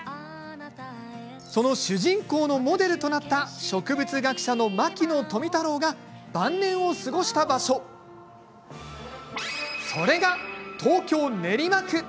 その主人公のモデルとなった植物学者の牧野富太郎が晩年を過ごした場所それが東京・練馬区。